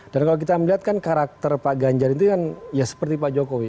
dan kalau kita melihat kan karakter pak ganjar itu kan ya seperti pak jokowi